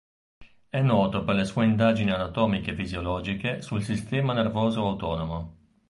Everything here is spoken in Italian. È noto per le sue indagini anatomiche e fisiologiche sul sistema nervoso autonomo.